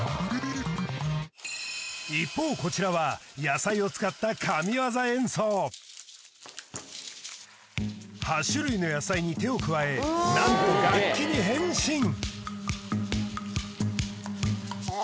一方こちらは野菜を使った神業演奏８種類の野菜に手を加え何と楽器に変身